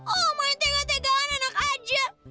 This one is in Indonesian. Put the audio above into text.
oh omongnya tega tegaan enak aja